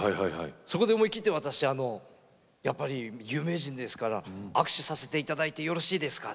そこで思い切って有名人ですから握手させていただいてよろしいですか？